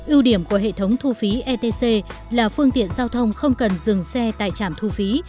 ưu điểm của hệ thống thu phí etc là phương tiện giao thông không cần dừng xe tại trạm thu phí